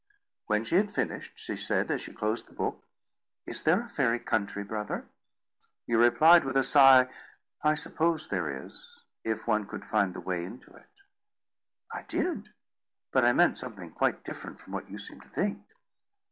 "When she had finished, she said, as she closed the book, 'Is there a fairy country, brother?' You replied with a sigh, 'I suppose there is, if one could find the way into it.'" "I did; but I meant something quite different from what you seem to think."